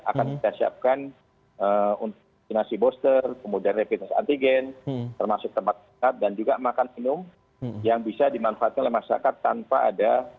akan kita siapkan untuk vaksinasi booster kemudian rapid test antigen termasuk tempat dan juga makan minum yang bisa dimanfaatkan oleh masyarakat tanpa ada